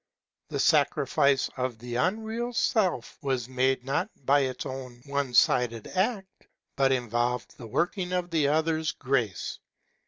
The sacrifice of the unreal Self was made not by its own one sided act, but involved the working of the Other's grace.